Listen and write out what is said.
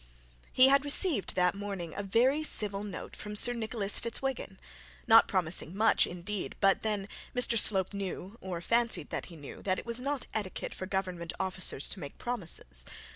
He had received that morning a civil note from Sir Nicholas Fitzwiggin; not promising much indeed; but then Mr Slope knew, or fancied that he knew, that it was not etiquette for government officers to make promises.